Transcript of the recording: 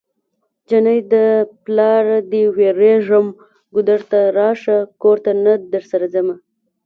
جنۍ د پلاره دی ويريږم ګودر ته راشه کور ته نه درسره ځمه